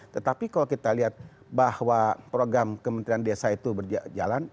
tetapi kalau kita lihat bahwa program kementerian desa itu berjalan